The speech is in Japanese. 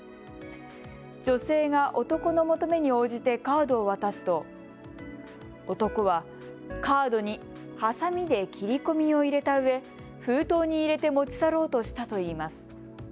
女性が男の求めに応じてカードを渡すと、男はカードにはさみで切り込みを入れたうえ封筒に入れて持ち去ろうとしたといいます。